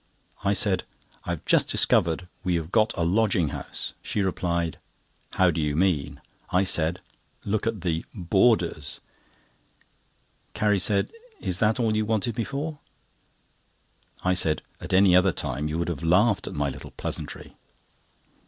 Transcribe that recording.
I said: "I have just discovered we have got a lodging house." She replied: "How do you mean?" I said: "Look at the boarders." Carrie said: "Is that all you wanted me for?" I said: "Any other time you would have laughed at my little pleasantry."